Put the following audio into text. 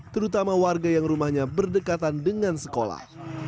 terutama warga yang rumahnya berdekatan dengan sekolah